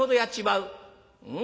「うん。